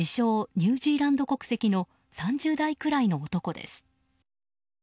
ニュージーランド国籍の３０代くらいの男です。